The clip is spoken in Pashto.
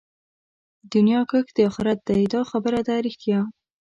دنيا کښت د آخرت دئ دا خبره ده رښتيا